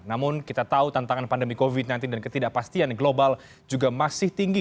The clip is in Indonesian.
namun kita tahu tantangan pandemi covid sembilan belas dan ketidakpastian global juga masih tinggi